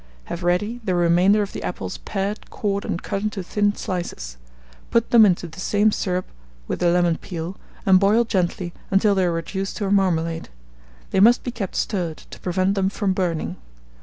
Have ready the remainder of the apples pared, cored, and cut into thin slices; put them into the same syrup with the lemon peel, and boil gently until they are reduced to a marmalade: they must be kept stirred, to prevent them from burning.